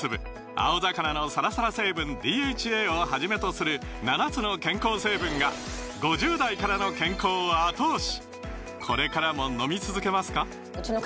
青魚のサラサラ成分ＤＨＡをはじめとする７つの健康成分が５０代からの健康を後押し！